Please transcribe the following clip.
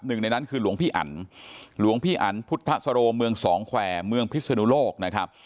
หนึ่งในนั้นคือหลวงพี่อันหลวงพี่อันพุทธสโรเมืองสองแควร์เมืองพิศนุโลกนะครับ